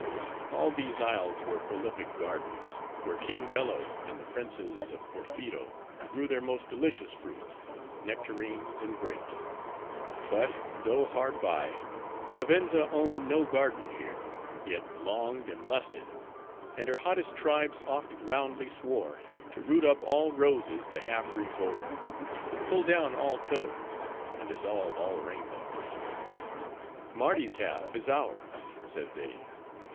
All these isles were prolific gardens; where King Bello, and the Princes of Porpheero grew their most delicious fruits,—nectarines and grapes. But, though hard by, Vivenza owned no garden here; yet longed and lusted; and her hottest tribes oft roundly swore, to root up all roses the half reef over; pull down all pillars; and dissolve all rainbows. "Mardi's half is ours;" said they.